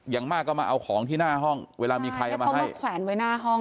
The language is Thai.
อย่างมากก็มาเอาของที่หน้าห้องเวลามีใครเอามาให้แขวนไว้หน้าห้อง